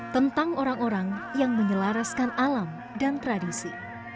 tentang orang orang yang menyelaraskan alam dan tradisi